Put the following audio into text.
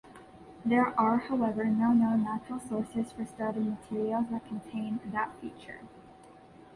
There are however no known natural sources for starting materials that contain that feature.